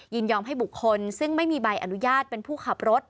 ยินยอมให้บุคคลซึ่งไม่มีใบอนุญาตเป็นผู้ขับรถ